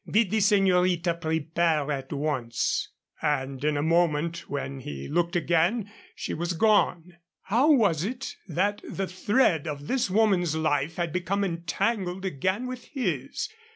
Bid the señorita prepare at once." And in a moment, when he looked again, she was gone. How was it that the thread of this woman's life had become entangled again with his?